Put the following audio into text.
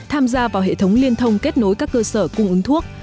tham gia vào hệ thống liên thông kết nối các cơ sở cung ứng thuốc